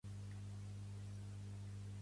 Pertany al moviment independentista l'Eudalt?